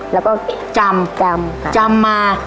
แล้วก็จำจำมา